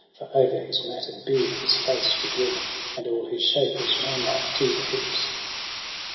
For o'er his matted beard his face was red. And all his shape was manlike to the hips.